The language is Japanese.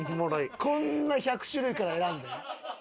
こんな１００種類から選んで？